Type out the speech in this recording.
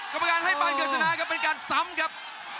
กรรมการให้บานเงินชนะครับเป็นการซ้ำครับ